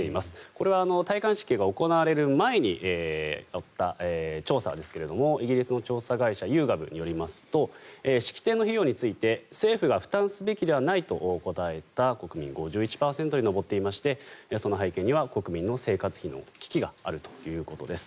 これは戴冠式が行われる前の調査ですけどイギリスの調査会社ユーガブによりますと式典の費用について政府が負担すべきではないと答えた国民５１％に上っていましてその背景には国民の生活費の危機があるということです。